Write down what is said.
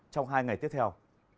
trong hai ngày tiếp theo